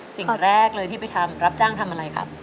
สิ่งแรกเลยที่ไปทำรับจ้างทำอะไรครับ